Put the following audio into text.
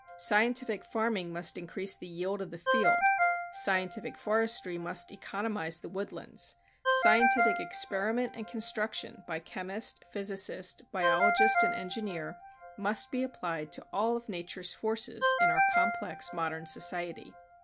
Scientific farming must increase the yield of the field, scientific forestry must economize the woodlands, scientific experiment and construction by chemist, physicist, biologist and engineer must be applied to all of nature's forces in our complex modern society.